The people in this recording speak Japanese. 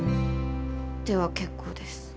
では結構です。